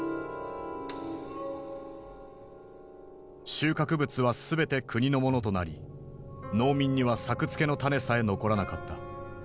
収穫物は全て国のものとなり農民には作付けの種さえ残らなかった。